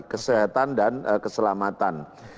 kesehatan dan keselamatan